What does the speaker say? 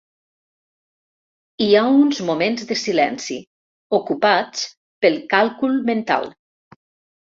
Hi ha uns moments de silenci ocupats pel càlcul mental.